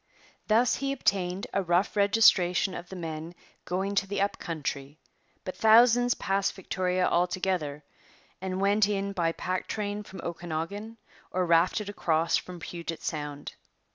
Thus he obtained a rough registration of the men going to the up country; but thousands passed Victoria altogether and went in by pack train from Okanagan or rafted across from Puget Sound.